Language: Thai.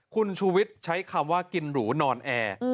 คุณชูวิทย์ใช้คำว่ากินหรูนอนแอร์